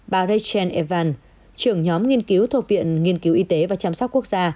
bà rachel evans trưởng nhóm nghiên cứu thổ viện nghiên cứu y tế và chăm sóc quốc gia